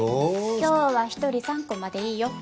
今日は一人３個までいいよ。